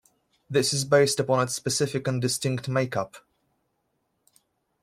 This is based upon its specific and distinct makeup.